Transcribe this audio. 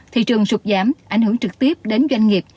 thị trường sụt giảm ảnh hưởng trực tiếp đến doanh nghiệp